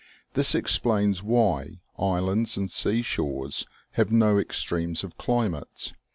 This explains why islands and seashores have no extremes of climate.